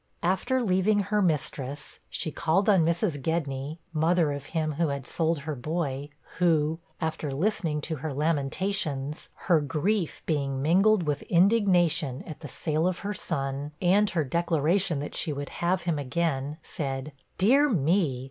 After leaving her mistress, she called on Mrs. Gedney, mother of him who had sold her boy; who, after listening to her lamentations, her grief being mingled with indignation at the sale of her son, and her declaration that she would have him again said, 'Dear me!